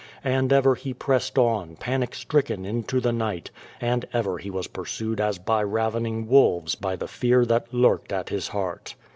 And ever he pressed on panic stricken into the night, and ever he was pursued as by ravening wolves by the fear that lurked at his heart.